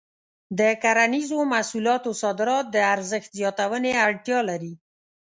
د کرنیزو محصولاتو صادرات د ارزښت زیاتونې اړتیا لري.